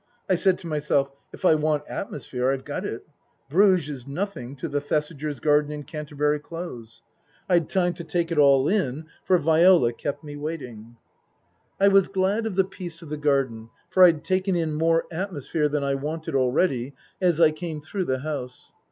I said to myself, " If I want atmosphere I've got it. Bruges is nothing to the Thesigers' garden in Canterbury Close." I'd time to take it all in, for Viola kept me waiting. I was glad of the peace of the garden, for I'd taken in more atmosphere than I wanted already as I came through the house.